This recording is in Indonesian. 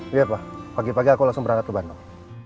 iya pak pagi pagi aku langsung berangkat ke bandung